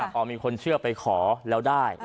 พอมีคนเชื่อไปขอแล้วได้